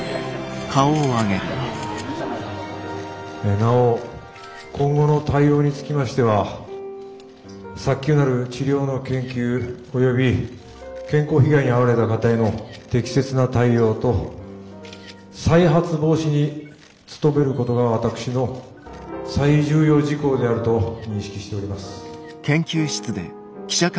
なお今後の対応につきましては早急なる治療の研究および健康被害に遭われた方への適切な対応と再発防止に努めることが私の最重要事項であると認識しております。